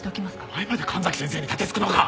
お前まで神崎先生に盾突くのか。